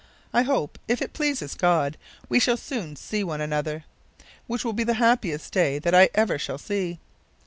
I hope, if it please God, we shall soon see one another, which will be the happiest day that ever I shall see.